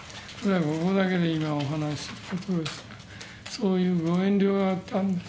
ここだけのお話をすると、そういうご遠慮があったんです。